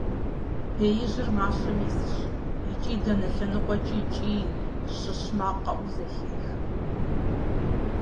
Беижьыр мащэм исщ, икӀи дэнэ лъэныкъуэкӀи кӀий, щыщ макъ къэӀуу зэхех.